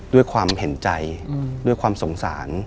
ด้วยความเห็นใจด้วยความสงสาร